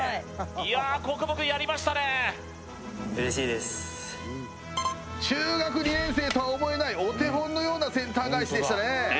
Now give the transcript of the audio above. いやー小久保くんやりましたね中学２年生とは思えないお手本のようなセンター返しでしたね